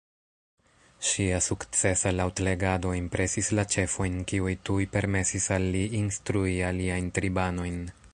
Ŝia sukcesa laŭtlegado impresis la ĉefojn kiuj tuj permesis al li instrui aliajn tribanojn